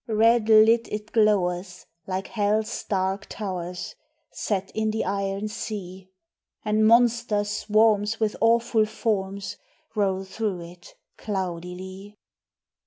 Red lit it glowers like Hell's dark towers Set in the iron sea; And monster swarms with awful forms Roll though it cloudily.